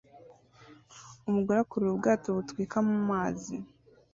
Umugore akurura ubwato butwika mumazi